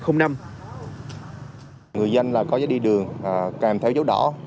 người dân là có giấy đi đường kèm theo dấu đỏ